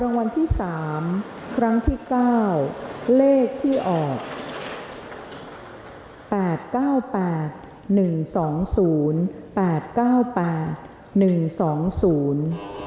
รางวัลที่สามครั้งที่เก้าเลขที่ออกแปดเก้าแปดหนึ่งสองศูนย์แปดเก้าแปดหนึ่งสองศูนย์